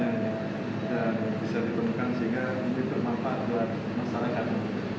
dan bisa dikembangkan sehingga ini bermanfaat buat masyarakat